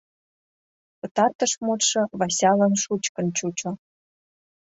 Пытартыш мутшо Васялан шучкын чучо.